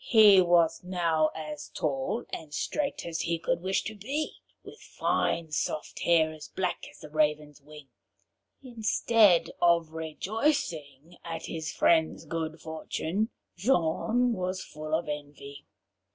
He was now as tall and straight as he could wish to be, with fine soft hair as black as the raven's wing. Instead of rejoicing at his friend's good fortune, Jean was full of envy.